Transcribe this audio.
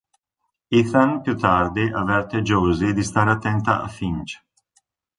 Ethan più tardi avverte Josie di stare attenta a Finch.